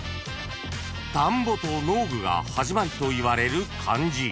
［田んぼと農具が始まりといわれる漢字］